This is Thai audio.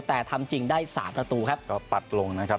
แต่ทำจริงได้สามประตูครับก็ปัดลงนะครับ